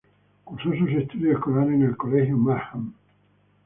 Cursó sus estudios escolares en el Colegio Markham.